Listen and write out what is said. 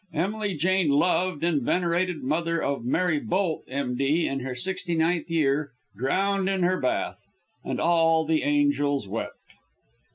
Emily Jane, loved and venerated mother of Mary Bolt, M.D., in her 69th year. Drowned in her bath. And all the Angels wept!